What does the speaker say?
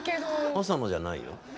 細野じゃないよ。